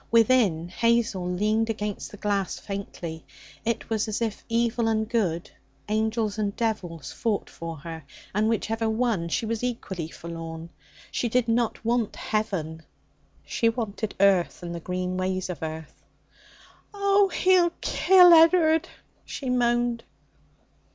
Within, Hazel leaned against the glass faintly. It was as if evil and good, angels and devils, fought for her. And whichever won, she was equally forlorn. She did not want heaven; she wanted earth and the green ways of earth. 'Oh, he'll kill Ed'ard!' she moaned.